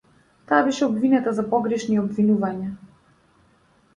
Таа беше обвинета за погрешни обвинувања.